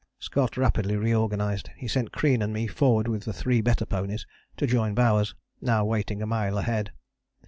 Scott rapidly reorganized. He sent Crean and me forward with the three better ponies to join Bowers, now waiting a mile ahead.